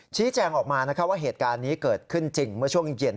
ชี้แจงออกมาว่าเหตุการณ์นี้เกิดขึ้นจริงเมื่อช่วงเย็น